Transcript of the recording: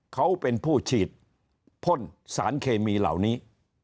เขาเป็นผู้ฉีดพ่นสารเคมีเหล่านี้